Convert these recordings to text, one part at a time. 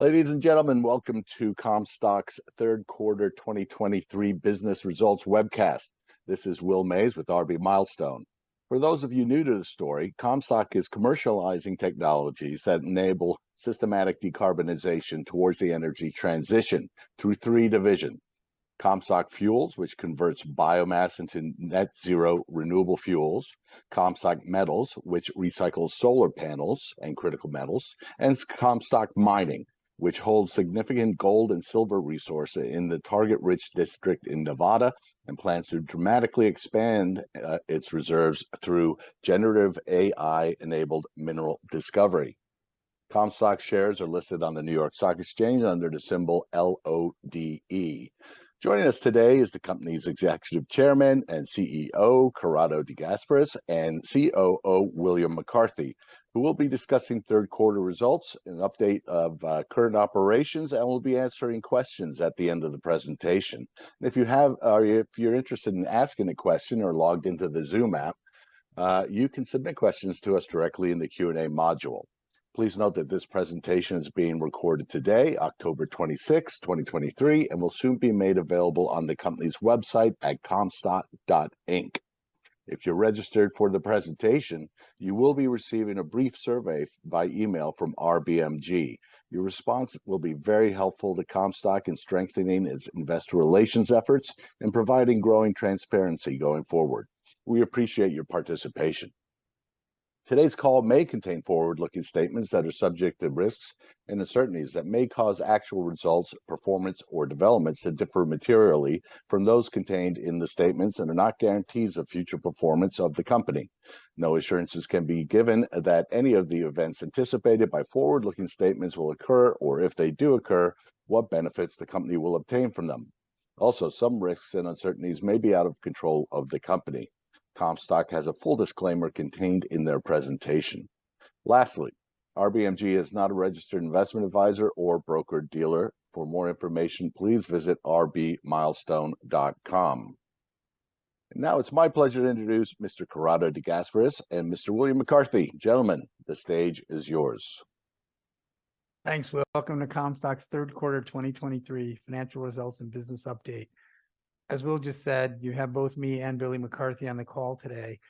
Ladies and gentlemen, welcome to Comstock's Q3 2023 business results webcast. This is Will Mays with RB Milestone. For those of you new to the story, Comstock is commercializing technologies that enable systematic decarbonization towards the energy transition through three division: Comstock Fuels, which converts biomass into net zero renewable fuels, Comstock Metals, which recycles solar panels and critical metals, and Comstock Mining, which holds significant gold and silver resource in the target-rich district in Nevada, and plans to dramatically expand its reserves through generative AI-enabled mineral discovery. Comstock shares are listed on the New York Stock Exchange under the symbol LODE. Joining us today is the company's Executive Chairman and CEO, Corrado De Gasperis, and COO, William McCarthy, who will be discussing Q3 results and an update of current operations, and will be answering questions at the end of the presentation. If you have, or if you're interested in asking a question or logged into the Zoom app, you can submit questions to us directly in the Q&A module. Please note that this presentation is being recorded today, October 26, 2023, and will soon be made available on the company's website at comstock.inc. If you're registered for the presentation, you will be receiving a brief survey from by email from RBMG. Your response will be very helpful to Comstock in strengthening its investor relations efforts and providing growing transparency going forward. We appreciate your participation. Today's call may contain forward-looking statements that are subject to risks and uncertainties that may cause actual results, performance, or developments to differ materially from those contained in the statements and are not guarantees of future performance of the company. No assurances can be given that any of the events anticipated by forward-looking statements will occur, or if they do occur, what benefits the company will obtain from them. Also, some risks and uncertainties may be out of control of the company. Comstock has a full disclaimer contained in their presentation. Lastly, RBMG is not a registered investment advisor or broker-dealer. For more information, please visit rbmilestone.com. Now it's my pleasure to introduce Mr. Corrado De Gasperis and Mr. William McCarthy. Gentlemen, the stage is yours. Thanks, Will. Welcome to Comstock's Q3 2023 financial results and business update. As Will just said, you have both me and Billy McCarthy on the call today,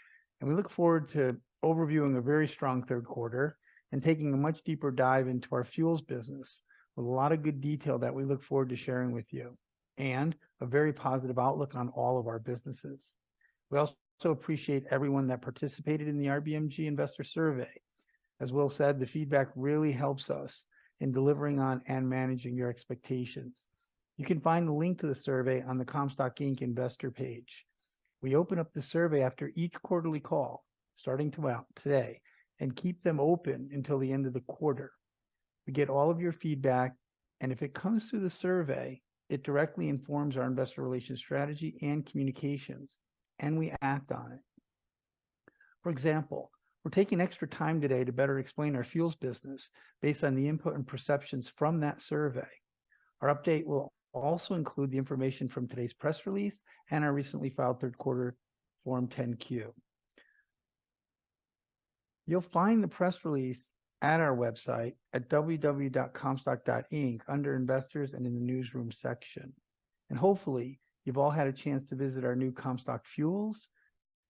and we look forward to overviewing a very strong Q3 and taking a much deeper dive into our fuels business, with a lot of good detail that we look forward to sharing with you, and a very positive outlook on all of our businesses. We also appreciate everyone that participated in the RBMG investor survey. As Will said, the feedback really helps us in delivering on and managing your expectations. You can find the link to the survey on the Comstock Inc. investor page. We open up the survey after each quarterly call, starting tomorrow, today, and keep them open until the end of the quarter. We get all of your feedback, and if it comes through the survey, it directly informs our investor relations strategy and communications, and we act on it. For example, we're taking extra time today to better explain our fuels business based on the input and perceptions from that survey. Our update will also include the information from today's press release and our recently filed Q3 Form 10-Q. You'll find the press release at our website at www.comstock.inc, under Investors and in the Newsroom section. Hopefully, you've all had a chance to visit our new Comstock Fuels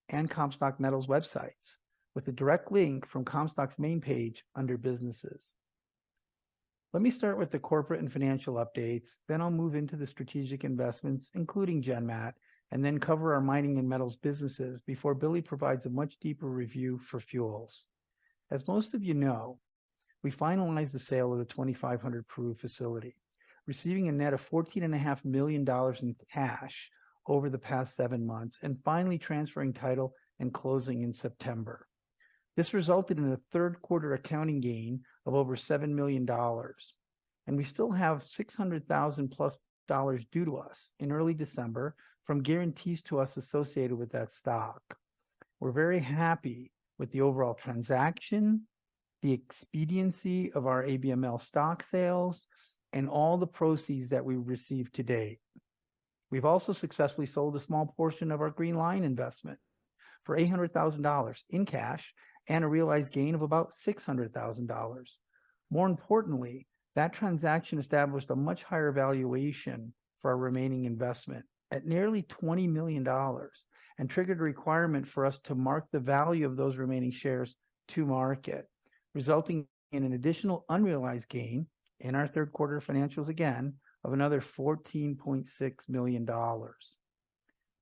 and Comstock Metals websites, with a direct link from Comstock's main page under Businesses. Let me start with the corporate and financial updates, then I'll move into the strategic investments, including GenMat, and then cover our Mining and Metals businesses before Billy provides a much deeper review for fuels. As most of you know, we finalized the sale of the 2500 Peru facility, receiving a net of $14.5 million in cash over the past seven months, and finally transferring title and closing in September. This resulted in a Q3 accounting gain of over $7 million, and we still have $600,000 plus due to us in early December from guarantees to us associated with that stock. We're very happy with the overall transaction, the expediency of our ABML stock sales, and all the proceeds that we've received to date. We've also successfully sold a small portion of our Green Li-ion investment for $800,000 in cash and a realized gain of about $600,000. More importantly, that transaction established a much higher valuation for our remaining investment at nearly $20 million, and triggered a requirement for us to mark the value of those remaining shares to market, resulting in an additional unrealized gain in our Q3 financials, again, of another $14.6 million.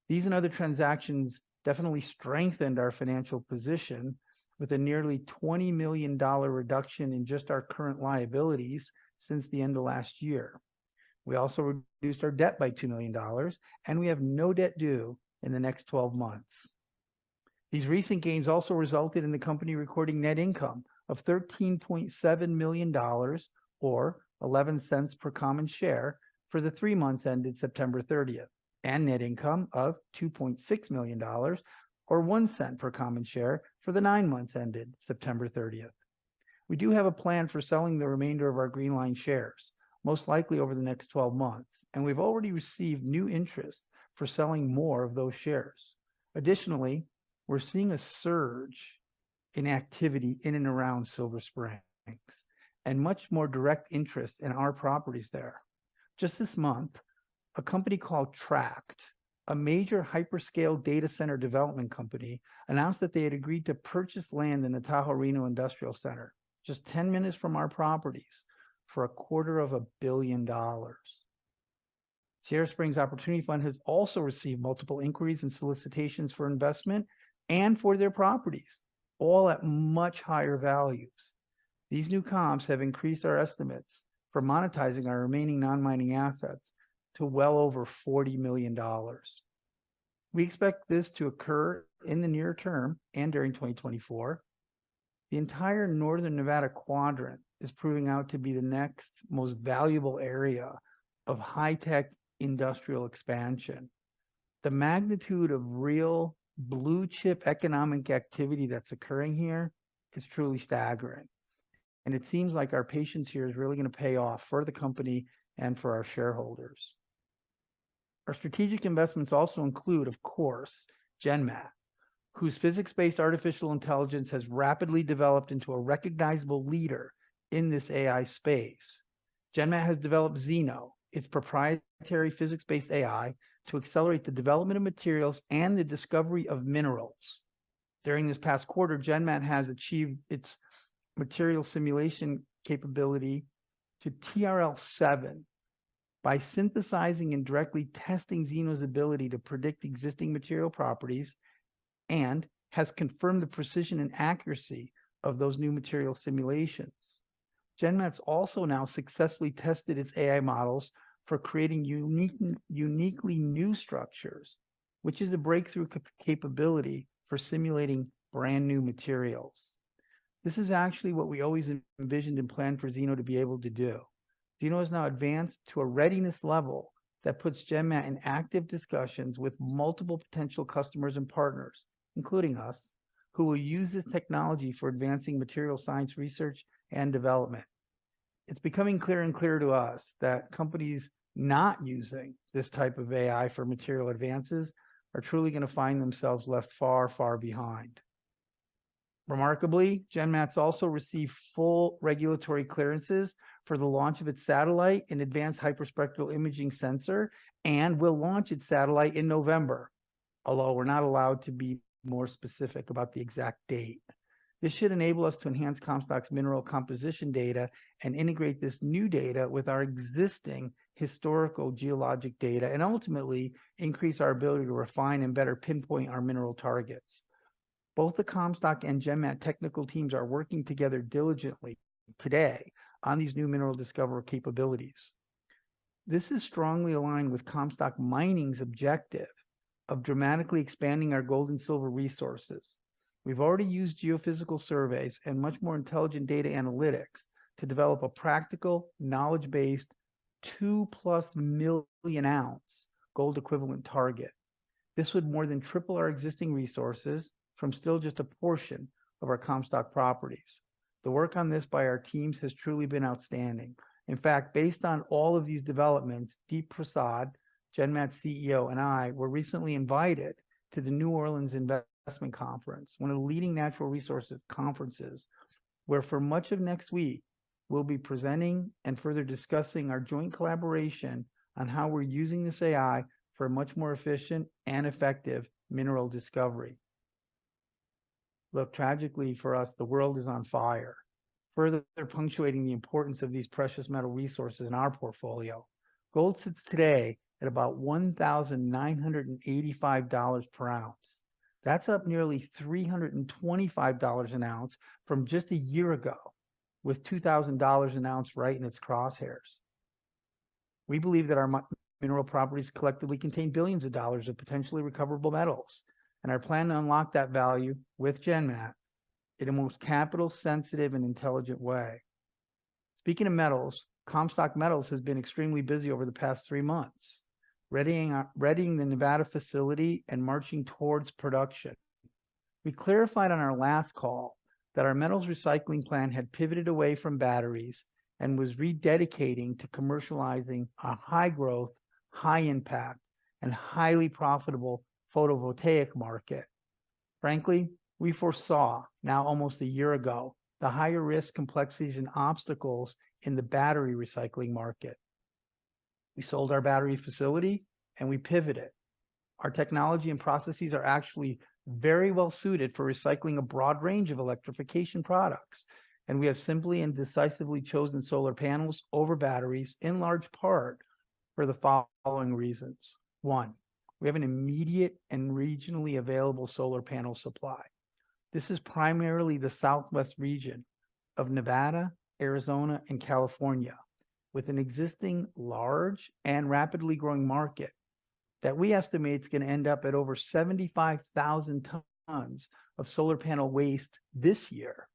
These and other transactions definitely strengthened our financial position with a nearly $20 million reduction in just our current liabilities since the end of last year. We also reduced our debt by $2 million, and we have no debt due in the next 12 months. These recent gains also resulted in the company recording net income of $13.7 million or $0.11 per common share for the three months ended September 30, and net income of $2.6 million or $0.01 per common share for the nine months ended September 30. We do have a plan for selling the remainder of our Green Li-ion shares, most likely over the next 12 months, and we've already received new interest for selling more of those shares. Additionally, we're seeing a surge in activity in and around Silver Springs, and much more direct interest in our properties there. Just this month, a company called Tract, a major hyperscale data center development company, announced that they had agreed to purchase land in the Tahoe Reno Industrial Center, just 10 minutes from our properties, for $250 million. Sierra Springs Opportunity Fund has also received multiple inquiries and solicitations for investment and for their properties, all at much higher values. These new comps have increased our estimates for monetizing our remaining non-Mining assets to well over $40 million. We expect this to occur in the near term and during 2024. The entire Northern Nevada quadrant is proving out to be the next most valuable area of high-tech industrial expansion. The magnitude of real blue chip economic activity that's occurring here is truly staggering, and it seems like our patience here is really gonna pay off for the company and for our shareholders. Our strategic investments also include, of course, GenMat, whose physics-based artificial intelligence has rapidly developed into a recognizable leader in this AI space. GenMat has developed Zeno, its proprietary physics-based AI, to accelerate the development of materials and the discovery of minerals. During this past quarter, GenMat has achieved its material simulation capability to TRL 7 by synthesizing and directly testing Zeno's ability to predict existing material properties, and has confirmed the precision and accuracy of those new material simulations. GenMat's also now successfully tested its AI models for creating uniquely new structures, which is a breakthrough capability for simulating brand-new materials. This is actually what we always envisioned and planned for Zeno to be able to do. Zeno is now advanced to a readiness level that puts GenMat in active discussions with multiple potential customers and partners, including us, who will use this technology for advancing material science, research, and development. It's becoming clearer and clearer to us that companies not using this type of AI for material advances are truly gonna find themselves left far, far behind. Remarkably, GenMat's also received full regulatory clearances for the launch of its satellite and advanced hyperspectral imaging sensor, and will launch its satellite in November, although we're not allowed to be more specific about the exact date. This should enable us to enhance Comstock's mineral composition data and integrate this new data with our existing historical geologic data, and ultimately increase our ability to refine and better pinpoint our mineral targets. Both the Comstock and GenMat technical teams are working together diligently today on these new mineral discovery capabilities. This is strongly aligned with Comstock Mining's objective of dramatically expanding our gold and silver resources. We've already used geophysical surveys and much more intelligent data analytics to develop a practical, knowledge-based, 2+ million ounce gold equivalent target. This would more than triple our existing resources from still just a portion of our Comstock properties. The work on this by our teams has truly been outstanding. In fact, based on all of these developments, Deep Prasad, GenMat's CEO, and I were recently invited to the New Orleans Investment Conference, one of the leading natural resources conferences, where for much of next week, we'll be presenting and further discussing our joint collaboration on how we're using this AI for a much more efficient and effective mineral discovery. Look, tragically for us, the world is on fire. Further punctuating the importance of these precious metal resources in our portfolio, gold sits today at about $1,985 per ounce. That's up nearly $325 an ounce from just a year ago, with $2,000 an ounce right in its crosshairs. We believe that our mineral properties collectively contain billions of dollars of potentially recoverable Metals, and our plan to unlock that value with GenMat in a most capital sensitive and intelligent way. Speaking of Metals, Comstock Metals has been extremely busy over the past three months, readying the Nevada facility and marching towards production. We clarified on our last call that our Metals recycling plant had pivoted away from batteries and was rededicating to commercializing a high-growth, high-impact, and highly profitable photovoltaic market. Frankly, we foresaw, now almost a year ago, the higher risk complexities and obstacles in the battery recycling market. We sold our battery facility, and we pivoted. Our technology and processes are actually very well-suited for recycling a broad range of electrification products, and we have simply and decisively chosen solar panels over batteries, in large part for the following reasons: One, we have an immediate and regionally available solar panel supply. This is primarily the southwest region of Nevada, Arizona, and California, with an existing large and rapidly growing market that we estimate is gonna end up at over 75,000 tons of solar panel waste this year,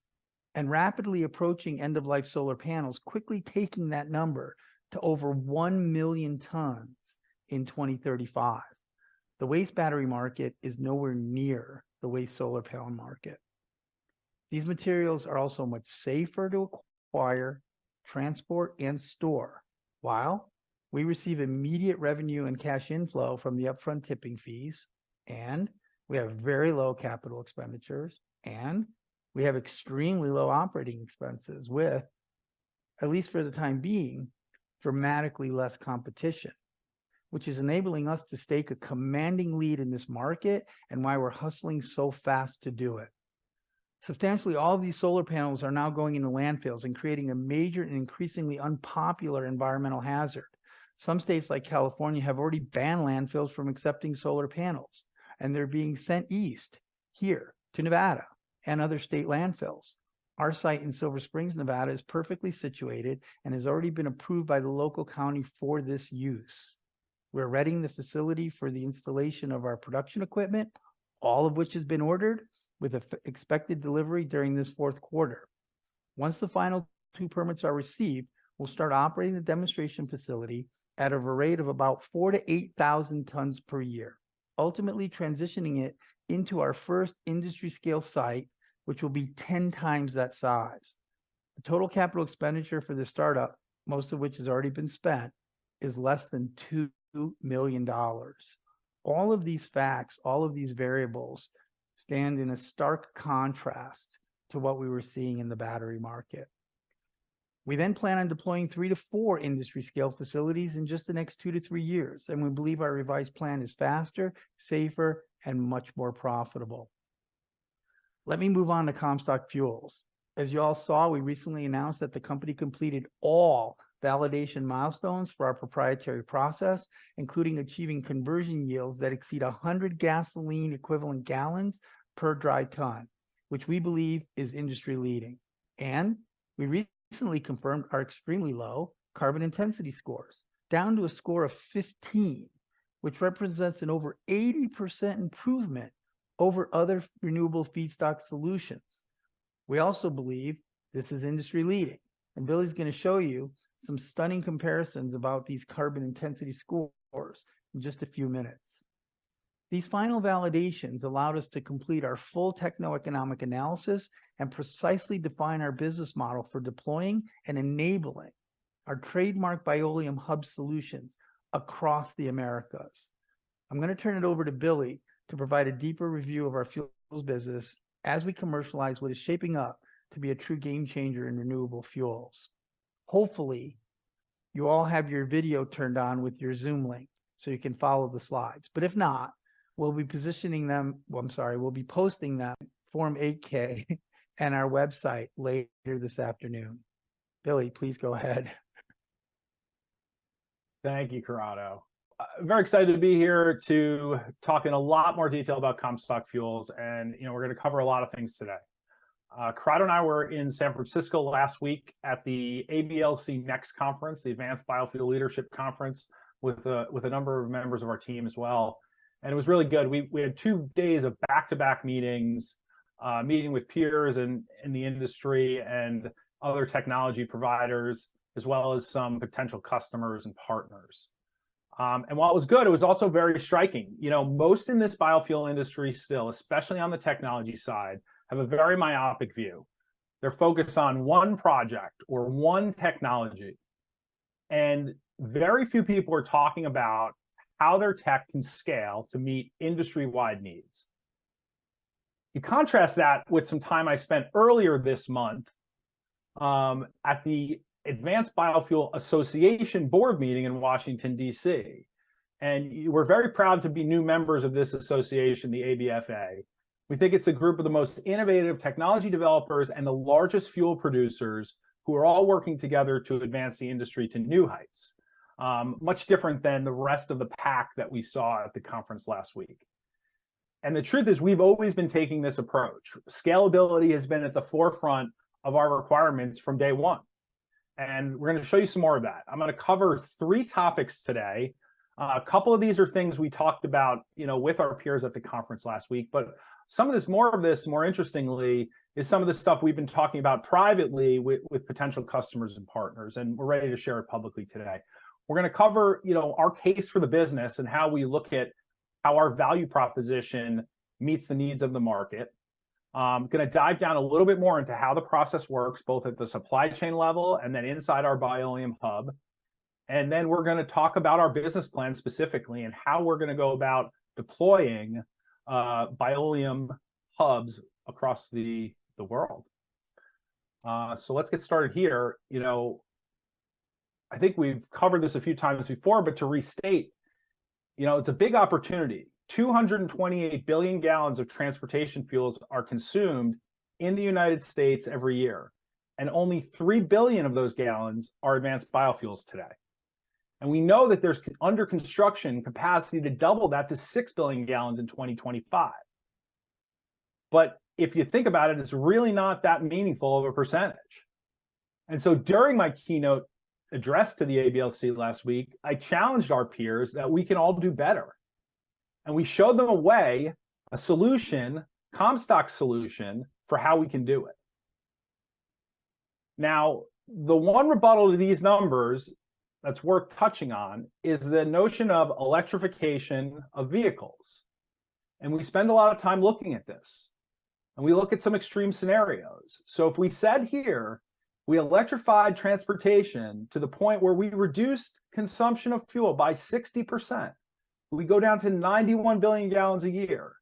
and rapidly approaching end-of-life solar panels, quickly taking that number to over 1 million tons in 2035. The waste battery market is nowhere near the waste solar panel market. These materials are also much safer to acquire. transport, and store, while we receive immediate revenue and cash inflow from the upfront tipping fees, and we have very low capital expenditures, and we have extremely low operating expenses with, at least for the time being, dramatically less competition, which is enabling us to stake a commanding lead in this market and why we're hustling so fast to do it. Substantially, all of these solar panels are now going into landfills and creating a major and increasingly unpopular environmental hazard. Some states, like California, have already banned landfills from accepting solar panels, and they're being sent east, here to Nevada, and other state landfills. Our site in Silver Springs, Nevada, is perfectly situated and has already been approved by the local county for this use. We're readying the facility for the installation of our production equipment, all of which has been ordered, with expected delivery during this fourth quarter. Once the final two permits are received, we'll start operating the demonstration facility at a rate of about 4,000-8,000 tons per year, ultimately transitioning it into our first industry scale site, which will be ten times that size. The total capital expenditure for this startup, most of which has already been spent, is less than $2 million. All of these facts, all of these variables, stand in a stark contrast to what we were seeing in the battery market. We then plan on deploying 3-4 industry scale facilities in just the next 2-3 years, and we believe our revised plan is faster, safer, and much more profitable. Let me move on to Comstock Fuels. As you all saw, we recently announced that the company completed all validation milestones for our proprietary process, including achieving conversion yields that exceed 100 gasoline equivalent gallons per dry ton, which we believe is industry-leading. We recently confirmed our extremely low carbon intensity scores, down to a score of 15, which represents an over 80% improvement over other renewable feedstock solutions. We also believe this is industry-leading, and Billy's gonna show you some stunning comparisons about these carbon intensity scores in just a few minutes. These final validations allowed us to complete our full techno-economic analysis and precisely define our business model for deploying and enabling our trademarked Bioleum Hub solutions across the Americas. I'm gonna turn it over to Billy to provide a deeper review of our fuels business as we commercialize what is shaping up to be a true game changer in renewable fuels. Hopefully, you all have your video turned on with your Zoom link, so you can follow the slides, but if not, we'll be positioning them. Well, I'm sorry, we'll be posting them, Form 8-K, and our website later this afternoon. Billy, please go ahead. Thank you, Corrado. I'm very excited to be here to talk in a lot more detail about Comstock Fuels, and, you know, we're gonna cover a lot of things today. Corrado and I were in San Francisco last week at the ABLC Next conference, the Advanced Biofuels Leadership Conference, with a number of members of our team as well, and it was really good. We had two days of back-to-back meetings, meeting with peers in the industry and other technology providers, as well as some potential customers and partners. And while it was good, it was also very striking. You know, most in this biofuel industry still, especially on the technology side, have a very myopic view. They're focused on one project or one technology, and very few people are talking about how their tech can scale to meet industry-wide needs. You contrast that with some time I spent earlier this month at the Advanced Biofuels Association board meeting in Washington, D.C., and we're very proud to be new members of this association, the ABFA. We think it's a group of the most innovative technology developers and the largest fuel producers, who are all working together to advance the industry to new heights. Much different than the rest of the pack that we saw at the conference last week. And the truth is, we've always been taking this approach. Scalability has been at the forefront of our requirements from day one, and we're gonna show you some more of that. I'm gonna cover three topics today. A couple of these are things we talked about, you know, with our peers at the conference last week, but some of this, more of this, more interestingly, is some of the stuff we've been talking about privately with potential customers and partners, and we're ready to share it publicly today. We're gonna cover, you know, our case for the business and how we look at how our value proposition meets the needs of the market. Gonna dive down a little bit more into how the process works, both at the supply chain level and then inside our Bioleum Hub. And then we're gonna talk about our business plan specifically, and how we're gonna go about deploying Bioleum Hubs across the world. So let's get started here. You know, I think we've covered this a few times before, but to restate, you know, it's a big opportunity. 228 billion gallons of transportation fuels are consumed in the United States every year, and only 3 billion of those gallons are advanced biofuels today. We know that there's under construction capacity to double that to 6 billion gallons in 2025. If you think about it, it's really not that meaningful of a percentage. During my keynote address to the ABLC last week, I challenged our peers that we can all do better, and we showed them a way, a solution, Comstock solution, for how we can do it. Now, the one rebuttal to these numbers that's worth touching on is the notion of electrification of vehicles. We spend a lot of time looking at this, and we look at some extreme scenarios. So if we said here we electrified transportation to the point where we reduced consumption of fuel by 60%, we go down to 91 billion gallons a year.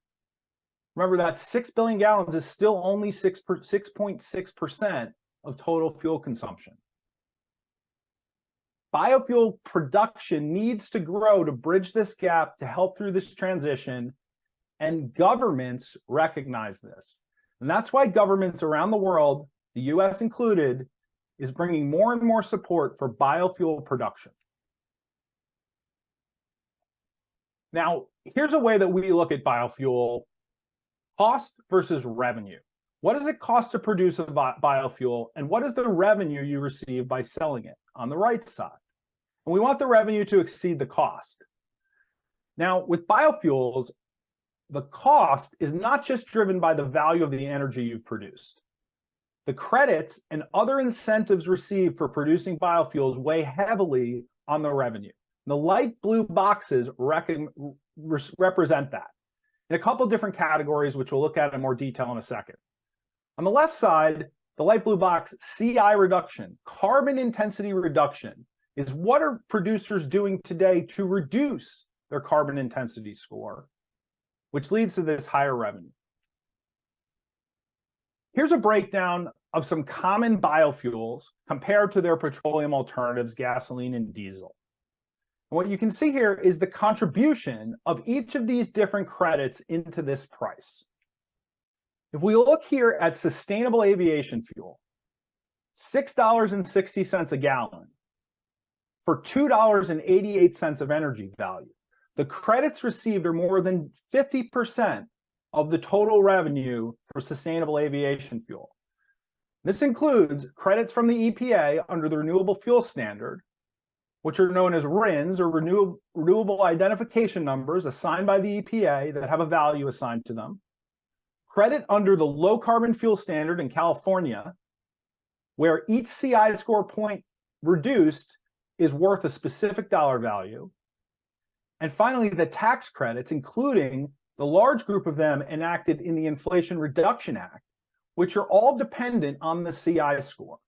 Remember, that 6 billion gallons is still only 6.6% of total fuel consumption. Biofuel production needs to grow to bridge this gap to help through this transition, and governments recognize this. And that's why governments around the world, the U.S. included, is bringing more and more support for biofuel production. Now, here's a way that we look at biofuel, cost versus revenue. What does it cost to produce a biofuel, and what is the revenue you receive by selling it on the right side? And we want the revenue to exceed the cost. Now, with biofuels, the cost is not just driven by the value of the energy you've produced. The credits and other incentives received for producing biofuels weigh heavily on the revenue. The light blue boxes represent that, in a couple of different categories, which we'll look at in more detail in a second. On the left side, the light blue box, CI reduction. Carbon Intensity reduction is what are producers doing today to reduce their Carbon Intensity score, which leads to this higher revenue. Here's a breakdown of some common biofuels compared to their petroleum alternatives, gasoline and diesel. What you can see here is the contribution of each of these different credits into this price. If we look here at sustainable aviation fuel, $6.60 a gallon for $2.88 of energy value, the credits received are more than 50% of the total revenue for sustainable aviation fuel. This includes credits from the EPA under the Renewable Fuel Standard, which are known as RINs, or Renewable Identification Numbers, assigned by the EPA that have a value assigned to them. Credit under the Low Carbon Fuel Standard in California, where each CI score point reduced is worth a specific dollar value. Finally, the tax credits, including the large group of them enacted in the Inflation Reduction Act, which are all dependent on the CI score.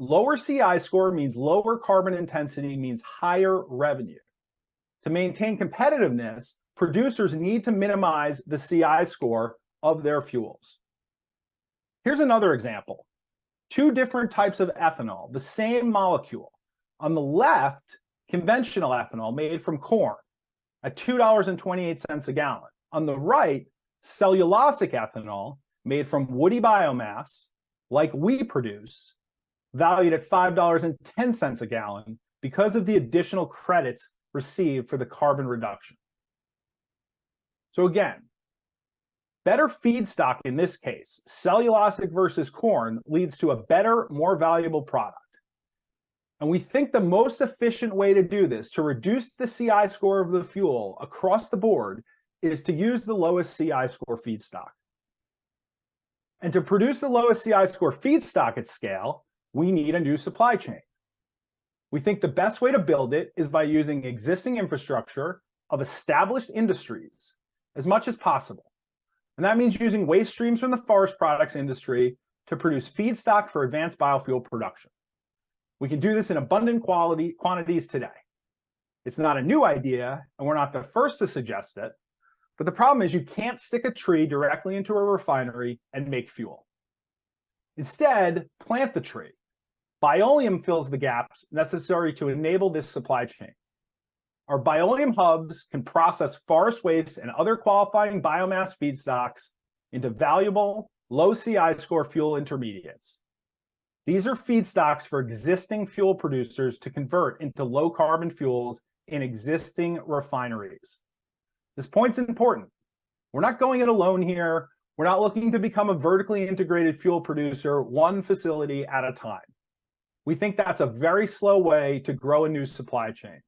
Lower CI score means lower carbon intensity, means higher revenue. To maintain competitiveness, producers need to minimize the CI score of their fuels. Here's another example. Two different types of ethanol, the same molecule. On the left, conventional ethanol made from corn at $2.28 a gallon. On the right, cellulosic ethanol made from woody biomass, like we produce, valued at $5.10 a gallon because of the additional credits received for the carbon reduction. So again, better feedstock, in this case, cellulosic versus corn, leads to a better, more valuable product. And we think the most efficient way to do this, to reduce the CI score of the fuel across the board, is to use the lowest CI score feedstock. And to produce the lowest CI score feedstock at scale, we need a new supply chain. We think the best way to build it is by using existing infrastructure of established industries as much as possible, and that means using waste streams from the forest products industry to produce feedstock for advanced biofuel production. We can do this in abundant quantities today. It's not a new idea, and we're not the first to suggest it, but the problem is you can't stick a tree directly into a refinery and make fuel. Instead, plant the tree. Bioleum fills the gaps necessary to enable this supply chain. Our Bioleum Hubs can process forest wastes and other qualifying biomass feedstocks into valuable low CI score fuel intermediates. These are feedstocks for existing fuel producers to convert into low-carbon fuels in existing refineries. This point's important. We're not going it alone here. We're not looking to become a vertically integrated fuel producer, one facility at a time. We think that's a very slow way to grow a new supply chain.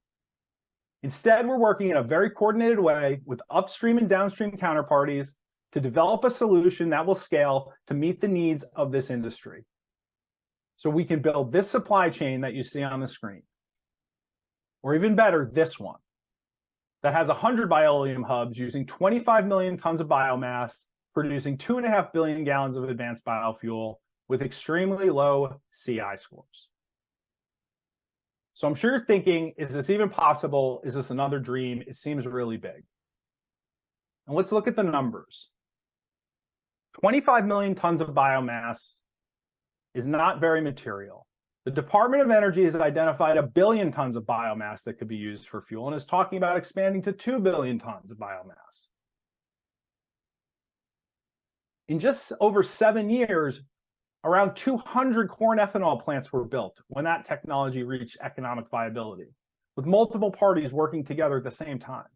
Instead, we're working in a very coordinated way with upstream and downstream counterparties to develop a solution that will scale to meet the needs of this industry. So we can build this supply chain that you see on the screen, or even better, this one, that has 100 Bioleum Hubs using 25 million tons of biomass, producing 2.5 billion gallons of advanced biofuel with extremely low CI scores. So I'm sure you're thinking: Is this even possible? Is this another dream? It seems really big. And let's look at the numbers. 25 million tons of biomass is not very material. The Department of Energy has identified 1 billion tons of biomass that could be used for fuel and is talking about expanding to 2 billion tons of biomass. In just over 7 years, around 200 corn ethanol plants were built when that technology reached economic viability, with multiple parties working together at the same time.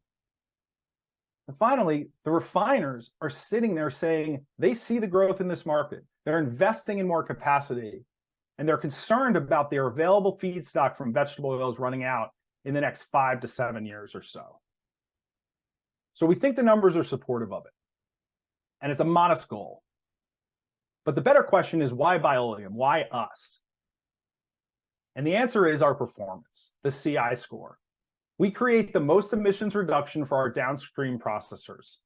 And finally, the refiners are sitting there saying they see the growth in this market, they're investing in more capacity, and they're concerned about their available feedstock from vegetable oils running out in the next 5-7 years or so. So we think the numbers are supportive of it, and it's a modest goal. But the better question is: Why Bioleum? Why us? and the answer is our performance, the CI score. We create the most emissions reduction for our downstream processors.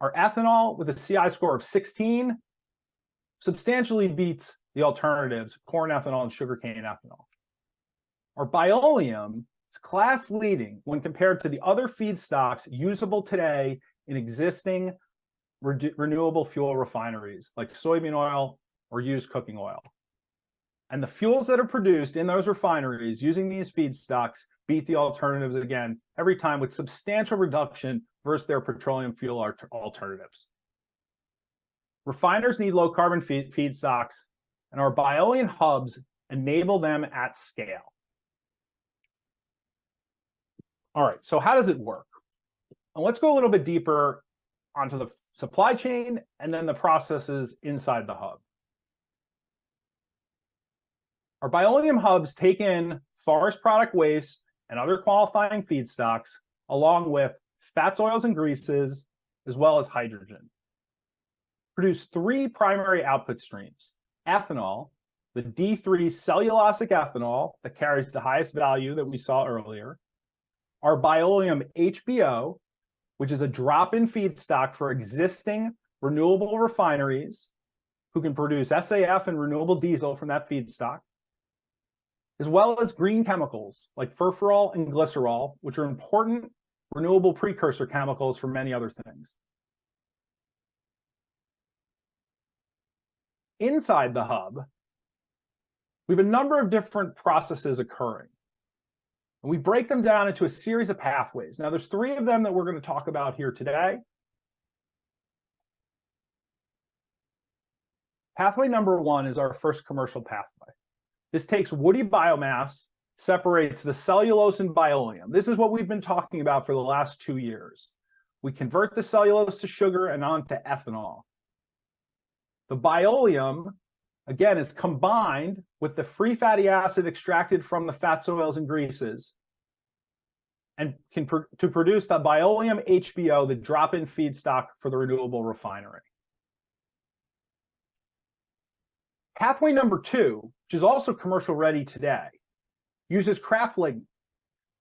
Our ethanol, with a CI score of 16, substantially beats the alternatives, corn ethanol and sugarcane ethanol. Our Bioleum is class-leading when compared to the other feedstocks usable today in existing renewable fuel refineries, like soybean oil or used cooking oil. And the fuels that are produced in those refineries using these feedstocks beat the alternatives again every time with substantial reduction versus their petroleum fuel alternatives. Refiners need low-carbon feedstocks, and our Bioleum Hubs enable them at scale. All right, so how does it work? And let's go a little bit deeper onto the supply chain and then the processes inside the hub. Our Bioleum Hubs take in forest product waste and other qualifying feedstocks, along with fats, oils, and greases, as well as hydrogen. Produce three primary output streams: ethanol, the D3 cellulosic ethanol that carries the highest value that we saw earlier; our Bioleum™ HBO, which is a drop-in feedstock for existing renewable refineries, who can produce SAF and renewable diesel from that feedstock; as well as green chemicals like furfural and glycerol, which are important renewable precursor chemicals for many other things. Inside the hub, we have a number of different processes occurring, and we break them down into a series of pathways. Now, there's three of them that we're going to talk about here today. Pathway number one is our first commercial pathway. This takes woody biomass, separates the cellulose and Bioleum™. This is what we've been talking about for the last two years. We convert the cellulose to sugar and on to ethanol. The Bioleum, again, is combined with the free fatty acid extracted from the fats, oils, and greases, and can produce that Bioleum HBO, the drop-in feedstock for the renewable refinery. Pathway number two, which is also commercial-ready today, uses kraft lignin.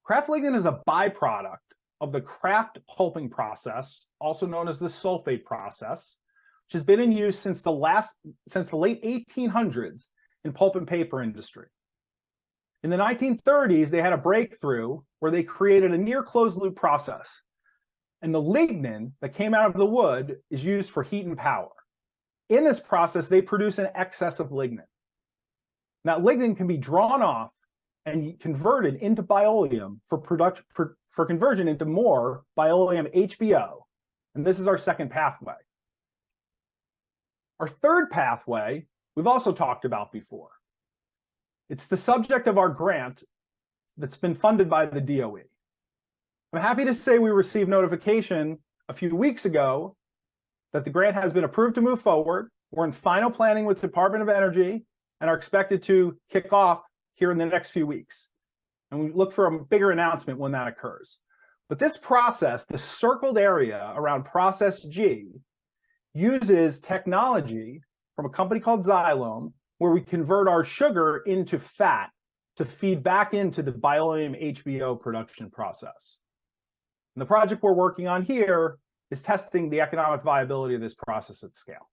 Kraft lignin is a by-product of the kraft pulping process, also known as the sulfate process, which has been in use since the late 1800s in the pulp and paper industry. In the 1930s, they had a breakthrough where they created a near-closed loop process, and the lignin that came out of the wood is used for heat and power. In this process, they produce an excess of lignin. Now, lignin can be drawn off and converted into Bioleum for product, for conversion into more Bioleum HBO, and this is our second pathway. Our third pathway, we've also talked about before. It's the subject of our grant that's been funded by the DOE. I'm happy to say we received notification a few weeks ago that the grant has been approved to move forward. We're in final planning with the Department of Energy and are expected to kick off here in the next few weeks, and we look for a bigger announcement when that occurs. But this process, the circled area around process G, uses technology from a company called Xylome, where we convert our sugar into fat to feed back into the Bioleum HBO production process. And the project we're working on here is testing the economic viability of this process at scale.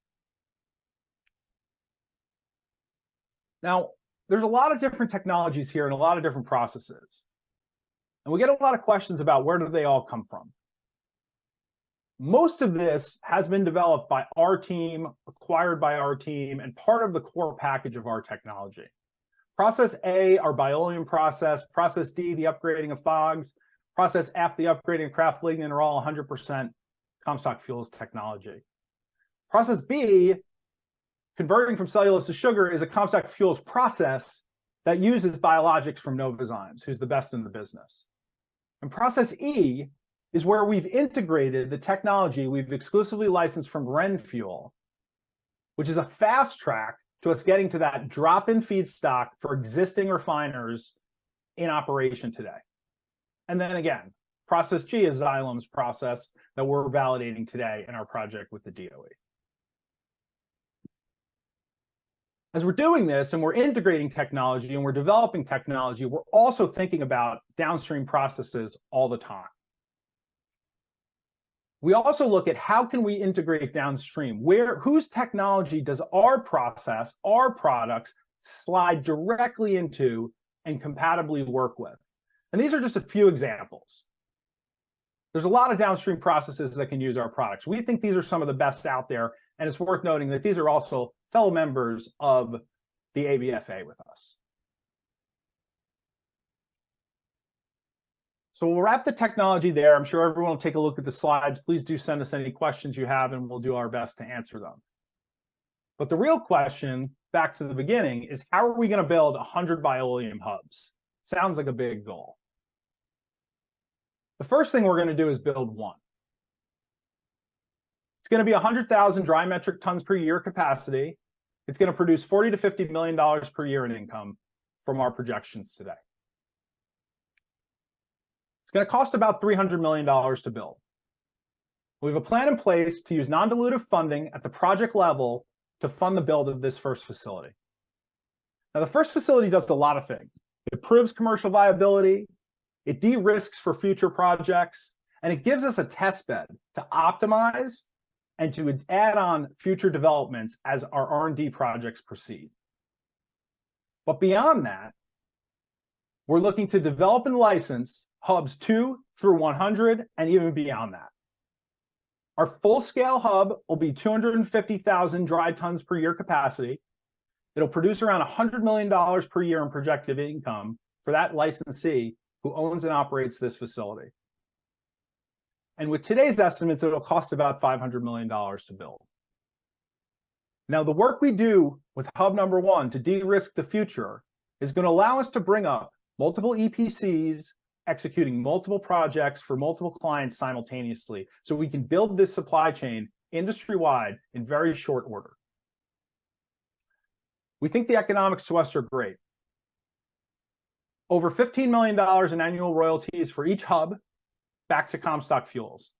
Now, there's a lot of different technologies here and a lot of different processes, and we get a lot of questions about where do they all come from. Most of this has been developed by our team, acquired by our team, and part of the core package of our technology. Process A, our Bioleum process, process D, the upgrading of FOGs, process F, the upgrading of Kraft Lignin, are all 100% Comstock Fuels technology. Process B, converting from cellulose to sugar, is a Comstock Fuels process that uses biologics from Novozymes, who's the best in the business. And process E is where we've integrated the technology we've exclusively licensed from RenFuel, which is a fast track to us getting to that drop-in feedstock for existing refiners in operation today. And then again, process G is Xylome's process that we're validating today in our project with the DOE. As we're doing this, and we're integrating technology and we're developing technology, we're also thinking about downstream processes all the time. We also look at how can we integrate downstream, whose technology does our process, our products, slide directly into and compatibly work with? And these are just a few examples. There's a lot of downstream processes that can use our products. We think these are some of the best out there, and it's worth noting that these are also fellow members of the ABFA with us. So we'll wrap the technology there. I'm sure everyone will take a look at the slides. Please do send us any questions you have, and we'll do our best to answer them. But the real question, back to the beginning, is: how are we going to build 100 Bioleum Hubs? Sounds like a big goal. The first thing we're going to do is build one. It's going to be a 100,000 dry metric tons per year capacity. It's going to produce $40 million-$50 million per year in income from our projections today. It's gonna cost about $300 million to build. We have a plan in place to use non-dilutive funding at the project level to fund the build of this first facility. Now, the first facility does a lot of things. It proves commercial viability, it de-risks for future projects, and it gives us a test bed to optimize and to add on future developments as our R&D projects proceed. But beyond that, we're looking to develop and license hubs two through one hundred, and even beyond that. Our full-scale hub will be 250,000 dry tons per year capacity. It'll produce around $100 million per year in projected income for that licensee who owns and operates this facility. And with today's estimates, it'll cost about $500 million to build. Now, the work we do with hub number one to de-risk the future is gonna allow us to bring up multiple EPCs, executing multiple projects for multiple clients simultaneously, so we can build this supply chain industry-wide in very short order. We think the economics to us are great. Over $15 million in annual royalties for each hub back to Comstock Fuels.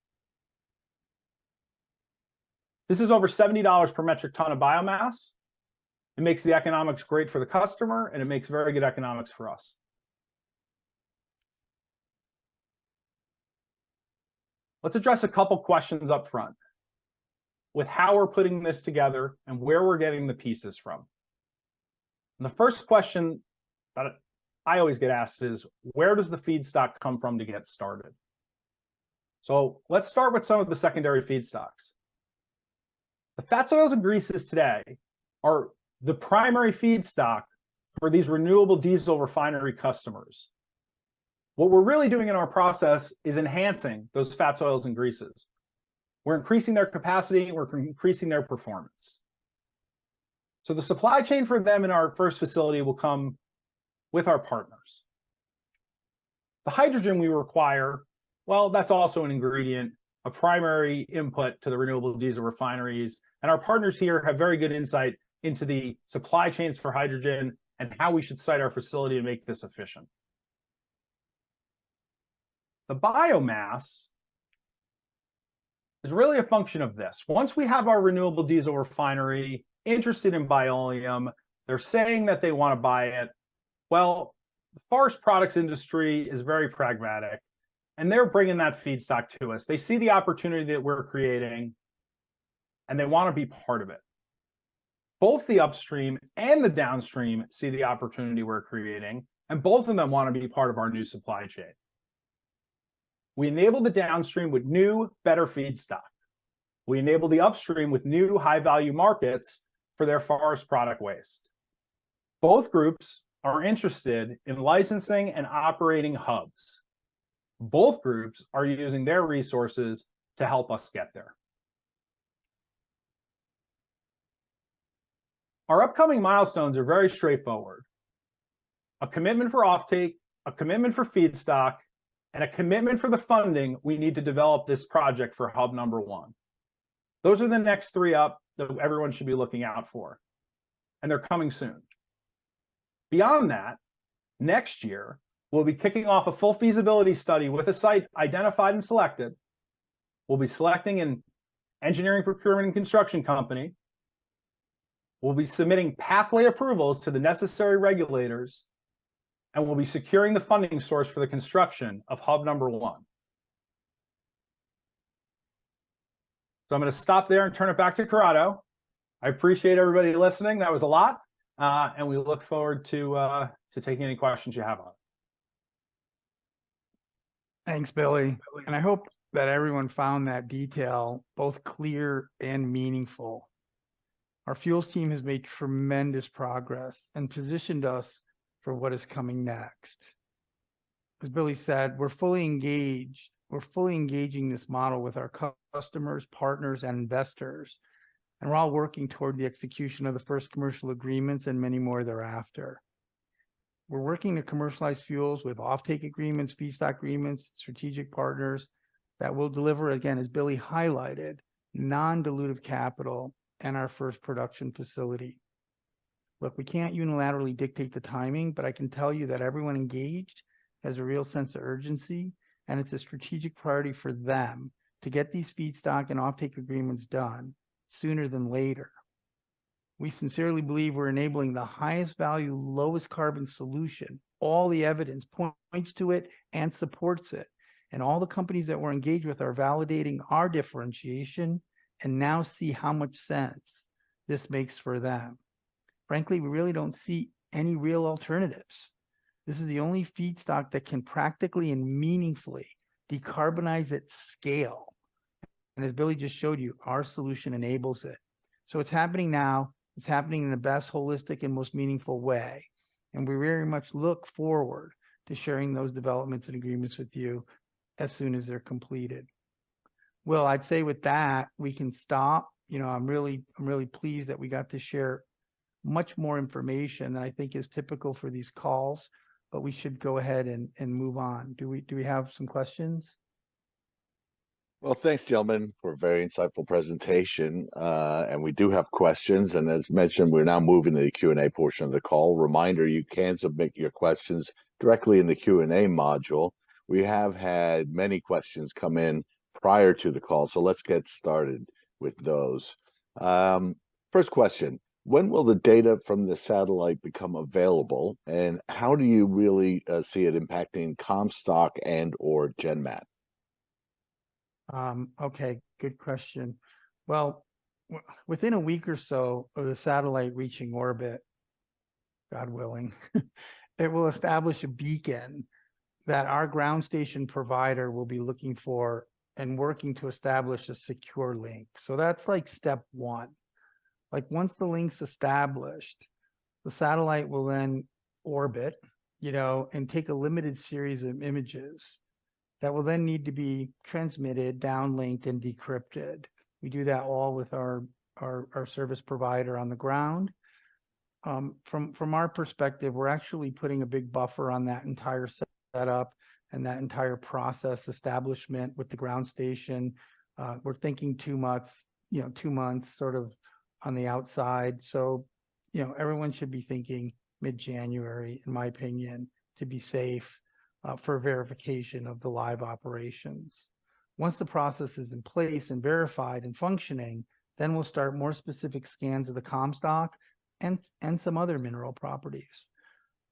This is over $70 per metric ton of biomass. It makes the economics great for the customer, and it makes very good economics for us. Let's address a couple questions up front, with how we're putting this together and where we're getting the pieces from. And the first question that I always get asked is: Where does the feedstock come from to get started? So let's start with some of the secondary feedstocks. The fats, oils, and greases today are the primary feedstock for these renewable diesel refinery customers. What we're really doing in our process is enhancing those fats, oils, and greases. We're increasing their capacity, and we're increasing their performance. So the supply chain for them in our first facility will come with our partners. The hydrogen we require, well, that's also an ingredient, a primary input to the renewable diesel refineries, and our partners here have very good insight into the supply chains for hydrogen and how we should site our facility to make this efficient. The biomass is really a function of this. Once we have our renewable diesel refinery interested in Bioleum, they're saying that they wanna buy it. Well, the forest products industry is very pragmatic, and they're bringing that feedstock to us. They see the opportunity that we're creating, and they wanna be part of it. Both the upstream and the downstream see the opportunity we're creating, and both of them wanna be part of our new supply chain. We enable the downstream with new, better feedstock. We enable the upstream with new high-value markets for their forest product waste. Both groups are interested in licensing and operating hubs. Both groups are using their resources to help us get there. Our upcoming milestones are very straightforward: a commitment for offtake, a commitment for feedstock, and a commitment for the funding we need to develop this project for hub number one. Those are the next three up that everyone should be looking out for, and they're coming soon. Beyond that, next year, we'll be kicking off a full feasibility study with a site identified and selected. We'll be selecting an engineering, procurement, and construction company. We'll be submitting pathway approvals to the necessary regulators, and we'll be securing the funding source for the construction of hub number one. So I'm gonna stop there and turn it back to Corrado. I appreciate everybody listening. That was a lot, and we look forward to taking any questions you have on it. Thanks, Billy, and I hope that everyone found that detail both clear and meaningful. Our fuels team has made tremendous progress and positioned us for what is coming next. As Billy said, we're fully engaging this model with our customers, partners, and investors, and we're all working toward the execution of the first commercial agreements and many more thereafter. We're working to commercialize fuels with offtake agreements, feedstock agreements, strategic partners that will deliver, again, as Billy highlighted, non-dilutive capital in our first production facility. Look, we can't unilaterally dictate the timing, but I can tell you that everyone engaged has a real sense of urgency, and it's a strategic priority for them to get these feedstock and offtake agreements done sooner than later. We sincerely believe we're enabling the highest value, lowest carbon solution. All the evidence points to it and supports it, and all the companies that we're engaged with are validating our differentiation and now see how much sense this makes for them. Frankly, we really don't see any real alternatives. This is the only feedstock that can practically and meaningfully decarbonize at scale, and as Billy just showed you, our solution enables it. So it's happening now. It's happening in the best, holistic, and most meaningful way, and we very much look forward to sharing those developments and agreements with you as soon as they're completed. Well, I'd say with that, we can stop. You know, I'm really, I'm really pleased that we got to share much more information than I think is typical for these calls, but we should go ahead and move on. Do we have some questions? Well, thanks, gentlemen, for a very insightful presentation. And we do have questions, and as mentioned, we're now moving to the Q&A portion of the call. Reminder, you can submit your questions directly in the Q&A module. We have had many questions come in prior to the call, so let's get started with those. First question: When will the data from the satellite become available, and how do you really see it impacting Comstock and or GenMat? Okay, good question. Well, within a week or so of the satellite reaching orbit, God willing, it will establish a beacon that our ground station provider will be looking for and working to establish a secure link. So that's like step one. Like, once the link's established, the satellite will then orbit, you know, and take a limited series of images that will then need to be transmitted, downlinked, and decrypted. We do that all with our service provider on the ground. From our perspective, we're actually putting a big buffer on that entire set-up and that entire process establishment with the ground station. We're thinking two months, you know, two months, sort of on the outside. So, you know, everyone should be thinking mid-January, in my opinion, to be safe, for verification of the live operations. Once the process is in place and verified and functioning, then we'll start more specific scans of the Comstock and some other mineral properties.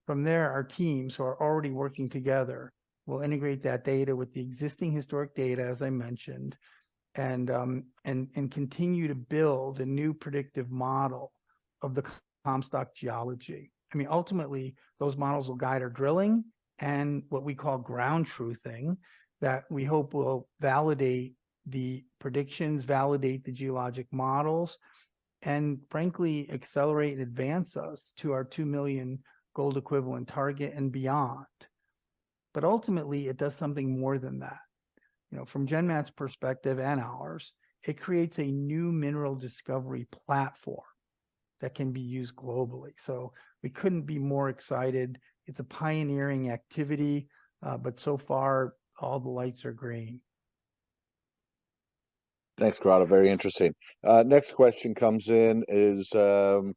From there, our teams, who are already working together, will integrate that data with the existing historic data, as I mentioned, and continue to build a new predictive model of the Comstock geology. I mean, ultimately, those models will guide our drilling and what we call ground truthing, that we hope will validate the predictions, validate the geologic models, and frankly, accelerate and advance us to our 2 million gold equivalent target and beyond. But ultimately, it does something more than that. You know, from GenMat's perspective and ours, it creates a new mineral discovery platform that can be used globally, so we couldn't be more excited. It's a pioneering activity, but so far, all the lights are green. Thanks, Corrado. Very interesting. Next question comes in,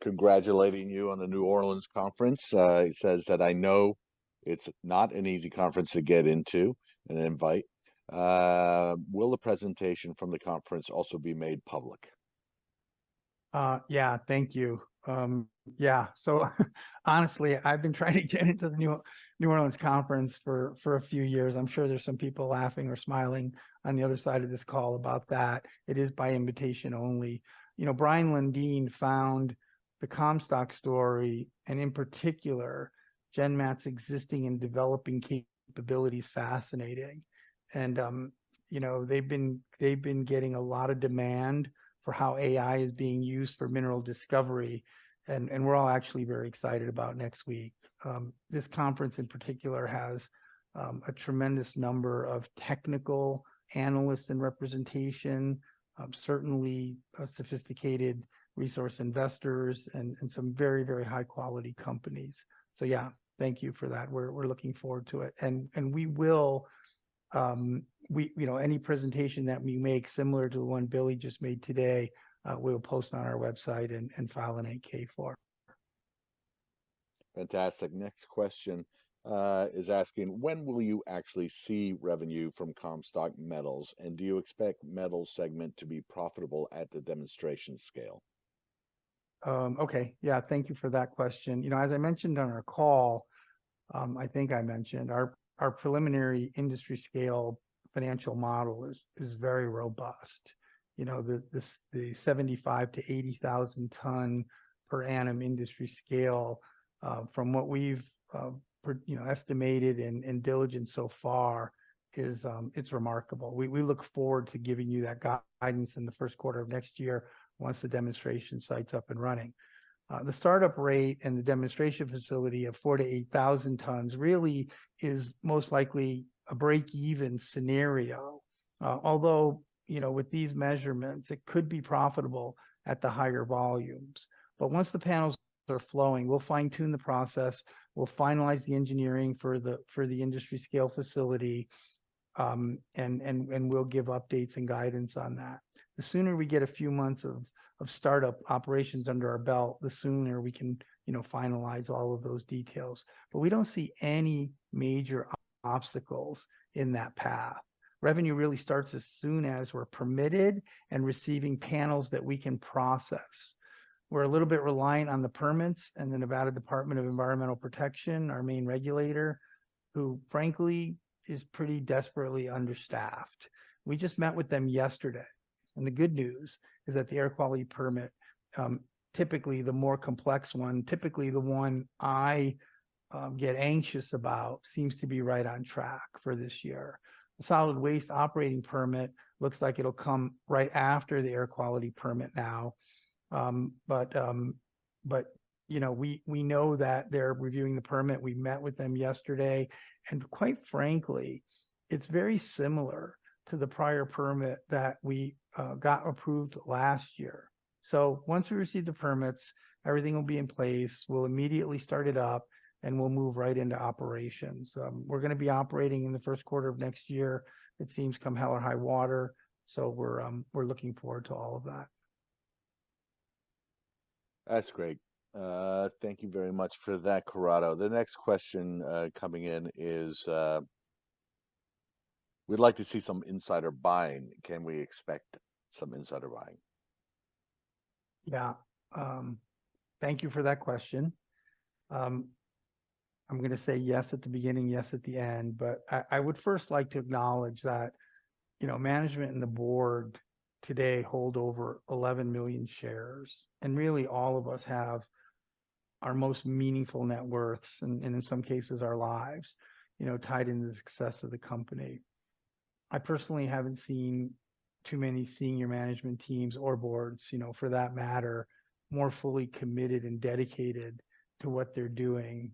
congratulating you on the New Orleans conference. It says that, "I know it's not an easy conference to get into, an invite. Will the presentation from the conference also be made public? Yeah, thank you. Yeah, honestly, I've been trying to get into the New Orleans conference for a few years. I'm sure there's some people laughing or smiling on the other side of this call about that. It is by invitation only. You know, Brien Lundin found the Comstock story and, in particular, GenMat's existing and developing capabilities fascinating. You know, they've been getting a lot of demand for how AI is being used for mineral discovery, and we're all actually very excited about next week. This conference in particular has a tremendous number of technical analysts and representation, certainly sophisticated resource investors and some very, very high quality companies. Yeah, thank you for that. We're looking forward to it. We will, we. You know, any presentation that we make similar to the one Billy just made today, we'll post on our website and, and file an 8-K for. Fantastic! Next question is asking: When will you actually see revenue from Comstock Metals, and do you expect Metals segment to be profitable at the demonstration scale? Okay, yeah, thank you for that question. You know, as I mentioned on our call, I think I mentioned, our preliminary industry scale financial model is very robust. You know, the 75-80,000 ton per annum industry scale, from what we've you know, estimated in diligence so far is, it's remarkable. We look forward to giving you that guidance in the first quarter of next year once the demonstration site's up and running. The start-up rate and the demonstration facility of 4-8,000 tonnes really is most likely a break-even scenario. Although, you know, with these measurements, it could be profitable at the higher volumes. But once the panels are flowing, we'll fine-tune the process, we'll finalize the engineering for the industry scale facility, and we'll give updates and guidance on that. The sooner we get a few months of start-up operations under our belt, the sooner we can, you know, finalize all of those details. But we don't see any major obstacles in that path. Revenue really starts as soon as we're permitted and receiving panels that we can process. We're a little bit reliant on the permits and the Nevada Department of Environmental Protection, our main regulator, who, frankly, is pretty desperately understaffed. We just met with them yesterday, and the good news is that the air quality permit, typically the more complex one, typically the one I get anxious about, seems to be right on track for this year. The solid waste operating permit looks like it'll come right after the air quality permit now. But, but, you know, we, we know that they're reviewing the permit. We met with them yesterday, and quite frankly, it's very similar to the prior permit that we got approved last year. So once we receive the permits, everything will be in place. We'll immediately start it up, and we'll move right into operations. We're gonna be operating in the first quarter of next year, it seems, come hell or high water, so we're looking forward to all of that. That's great. Thank you very much for that, Corrado. The next question coming in is, "We'd like to see some insider buying. Can we expect some insider buying? Yeah. Thank you for that question. I'm gonna say yes at the beginning, yes at the end, but I would first like to acknowledge that, you know, management and the board today hold over 11 million shares, and really, all of us have our most meaningful net worths, and in some cases, our lives, you know, tied into the success of the company. I personally haven't seen too many senior management teams or boards, you know, for that matter, more fully committed and dedicated to what they're doing,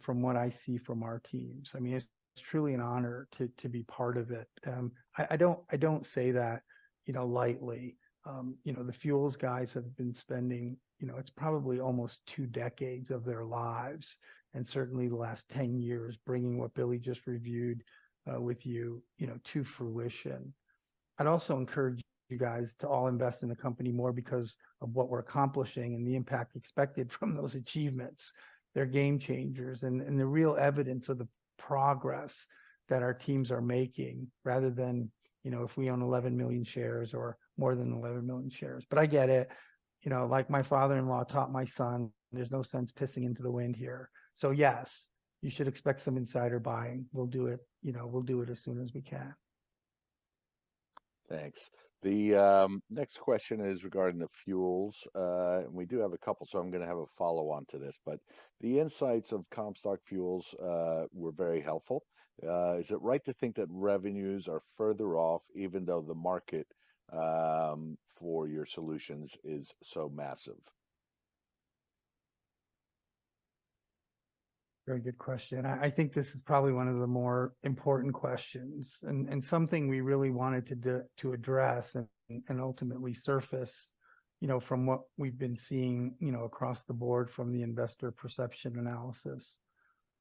from what I see from our teams. I mean, it's truly an honor to be part of it. I don't say that, you know, lightly. You know, the fuels guys have been spending, you know, it's probably almost two decades of their lives, and certainly the last 10 years, bringing what Billy just reviewed, with you, you know, to fruition. I'd also encourage you guys to all invest in the company more because of what we're accomplishing and the impact expected from those achievements. They're game changers and, and the real evidence of the progress that our teams are making, rather than, you know, if we own 11 million shares or more than 11 million shares. But I get it. You know, like my father-in-law taught my son, there's no sense pissing into the wind here. So yes, you should expect some insider buying. We'll do it, you know, we'll do it as soon as we can. Thanks. The next question is regarding the fuels. And we do have a couple, so I'm gonna have a follow-on to this. But the insights of Comstock Fuels were very helpful. Is it right to think that revenues are further off, even though the market for your solutions is so massive? Very good question, and I think this is probably one of the more important questions, and something we really wanted to address and ultimately surface, you know, from what we've been seeing, you know, across the board from the investor perception analysis.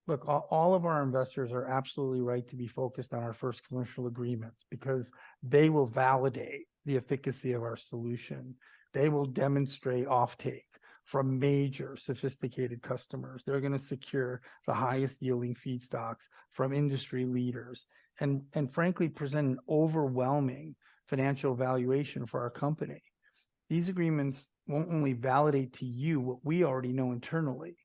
Look, all of our investors are absolutely right to be focused on our first commercial agreements, because they will validate the efficacy of our solution. They will demonstrate offtake from major sophisticated customers. They're gonna secure the highest yielding feedstocks from industry leaders and frankly present an overwhelming financial valuation for our company. These agreements won't only validate to you what we already know internally,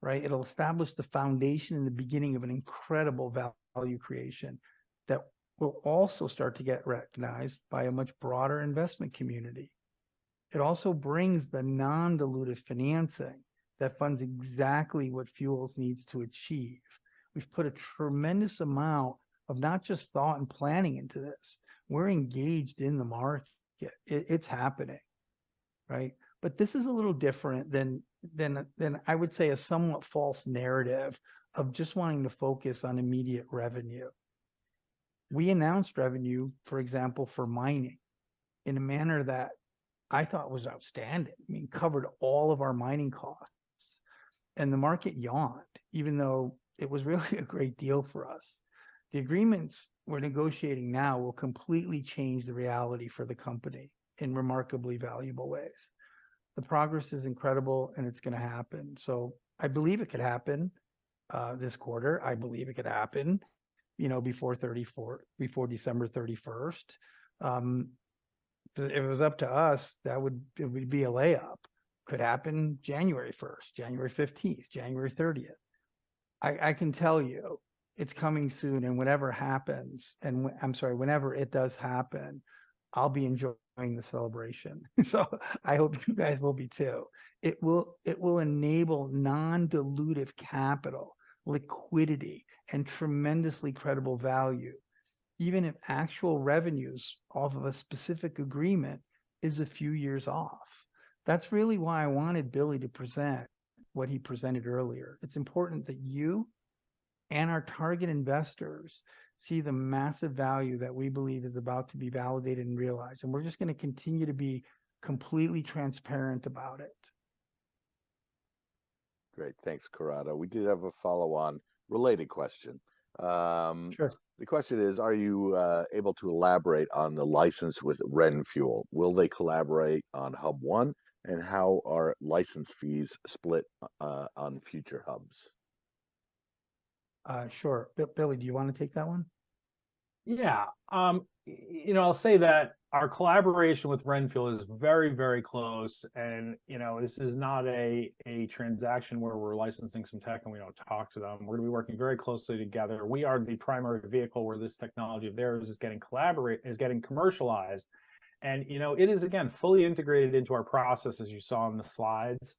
right? It'll establish the foundation and the beginning of an incredible value creation that will also start to get recognized by a much broader investment community. It also brings the non-dilutive financing that funds exactly what Fuels needs to achieve. We've put a tremendous amount of not just thought and planning into this, we're engaged in the market. It's happening, right? But this is a little different than I would say a somewhat false narrative of just wanting to focus on immediate revenue. We announced revenue, for example, for Mining, in a manner that I thought was outstanding. I mean, covered all of our Mining costs, and the market yawned, even though it was really a great deal for us. The agreements we're negotiating now will completely change the reality for the company in remarkably valuable ways. The progress is incredible, and it's gonna happen. So I believe it could happen this quarter. I believe it could happen, you know, before '24 - before December 31st. If it was up to us, that would be a lay-up. Could happen January 1st, January 15th, January 30th. I can tell you, it's coming soon, and whatever happens, whenever it does happen, I'll be enjoying the celebration. So I hope you guys will be too. It will enable non-dilutive capital, liquidity, and tremendously credible value, even if actual revenues off of a specific agreement is a few years off. That's really why I wanted Billy to present what he presented earlier. It's important that you and our target investors see the massive value that we believe is about to be validated and realized, and we're just gonna continue to be completely transparent about it. Great. Thanks, Corrado. We did have a follow-on related question. Sure. The question is: "Are you able to elaborate on the license with RenFuel? Will they collaborate Hub 1, and how are license fees split on future hubs? Sure. Billy, do you wanna take that one? Yeah. You know, I'll say that our collaboration with RenFuel is very, very close and, you know, this is not a transaction where we're licensing some tech and we don't talk to them. We're gonna be working very closely together. We are the primary vehicle where this technology of theirs is getting commercialized. And, you know, it is, again, fully integrated into our process, as you saw in the slides.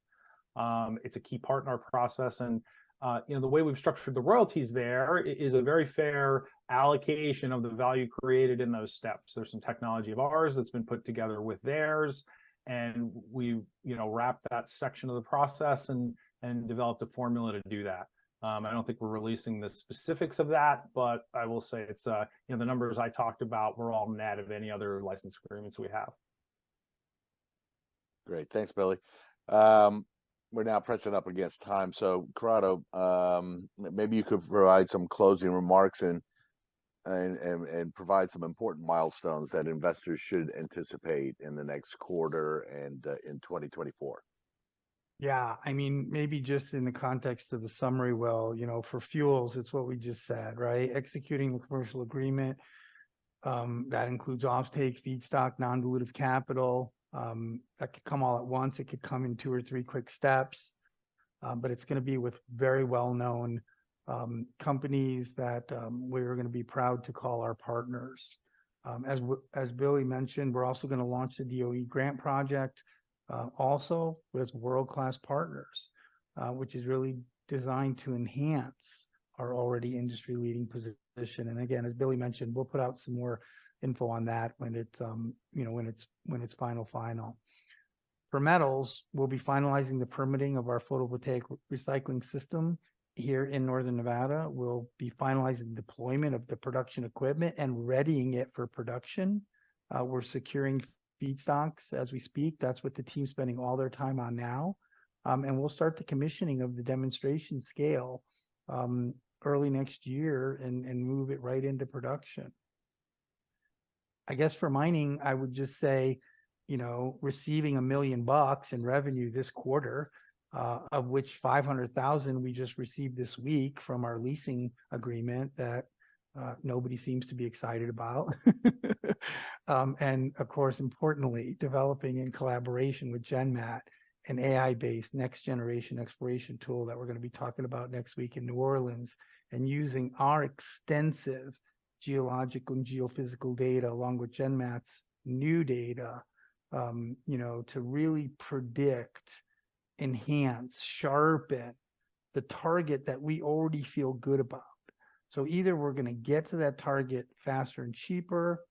It's a key part in our process and, you know, the way we've structured the royalties there is a very fair allocation of the value created in those steps. There's some technology of ours that's been put together with theirs, and we, you know, wrapped that section of the process and developed a formula to do that. I don't think we're releasing the specifics of that, but I will say it's, you know, the numbers I talked about were all net of any other license agreements we have. Great. Thanks, Billy. We're now pressing up against time, so Corrado, maybe you could provide some closing remarks and provide some important milestones that investors should anticipate in the next quarter and in 2024. Yeah, I mean, maybe just in the context of the summary, well, you know, for fuels, it's what we just said, right? Executing the commercial agreement that includes offtake, feedstock, non-dilutive capital. That could come all at once, it could come in two or three quick steps, but it's gonna be with very well-known companies that we're gonna be proud to call our partners. As Billy mentioned, we're also gonna launch the DOE grant project, also with world-class partners, which is really designed to enhance our already industry-leading position. Again, as Billy mentioned, we'll put out some more info on that when it's, you know, when it's final, final. For Metals, we'll be finalizing the permitting of our photovoltaic recycling system here in northern Nevada. We'll be finalizing deployment of the production equipment and readying it for production. We're securing feedstocks as we speak. That's what the team's spending all their time on now. And we'll start the commissioning of the demonstration scale early next year and move it right into production. I guess for Mining, I would just say, you know, receiving $1 million in revenue this quarter, of which $500,000 we just received this week from our leasing agreement that nobody seems to be excited about. And of course, importantly, developing in collaboration with GenMat, an AI-based next generation exploration tool that we're gonna be talking about next week in New Orleans, and using our extensive geological and geophysical data, along with GenMat's new data, you know, to really predict, enhance, sharpen the target that we already feel good about. So either we're gonna get to that target faster and cheaper,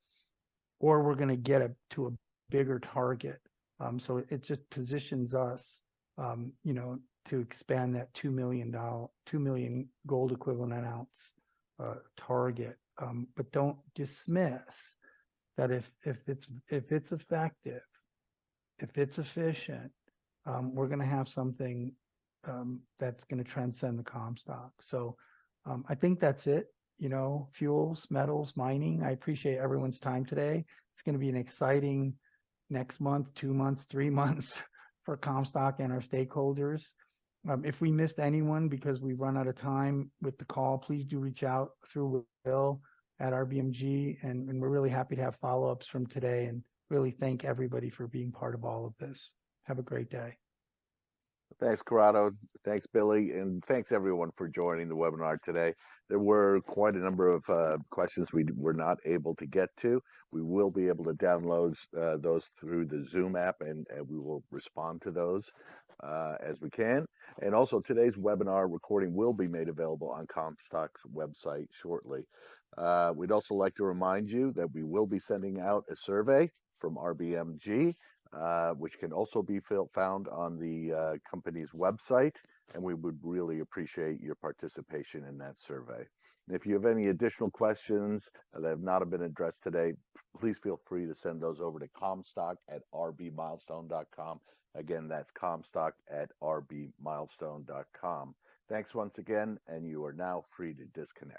or we're gonna get it to a bigger target. So it just positions us, you know, to expand that 2 million dollar, 2 million gold equivalent ounce target. But don't dismiss that if it's effective, if it's efficient, we're gonna have something that's gonna transcend the Comstock. So I think that's it. You know, fuels, Metals, Mining. I appreciate everyone's time today. It's gonna be an exciting next month, 2 months, 3 months for Comstock and our stakeholders. If we missed anyone because we've run out of time with the call, please do reach out through Bill at RBMG, and we're really happy to have follow-ups from today and really thank everybody for being part of all of this. Have a great day. Thanks, Corrado, thanks, Billy, and thanks everyone for joining the webinar today. There were quite a number of questions we were not able to get to. We will be able to download those through the Zoom app, and we will respond to those as we can. And also, today's webinar recording will be made available on Comstock's website shortly. We'd also like to remind you that we will be sending out a survey from RBMG, which can also be found on the company's website, and we would really appreciate your participation in that survey. And if you have any additional questions that have not been addressed today, please feel free to send those over to comstock@rbmilestone.com. Again, that's comstock@rbmilestone.com. Thanks once again, and you are now free to disconnect.